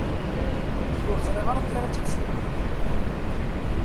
Ur ẓriɣ ara amek ara tt-id-ssefruriɣ?